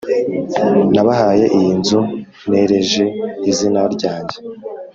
nabahaye iyi nzu nereje izina ryanjye